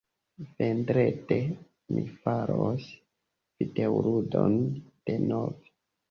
Vendrede... mi faros videoludon, denove.